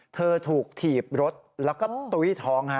เธอถูกถีบรถแล้วก็ตุ้ยท้อง